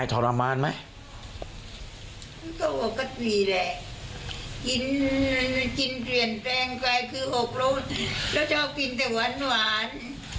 ผมครบโรงแล้วชอบกินแต่หวาน